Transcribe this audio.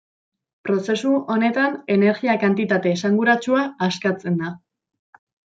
Prozesu honetan energia-kantitate esanguratsua askatzen da.